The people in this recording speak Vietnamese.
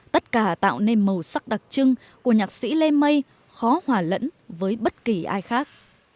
tất cả tạo nên màu sắc đặc trưng của nhạc sĩ lê mây khó hòa lẫn với bất kỳ ai khác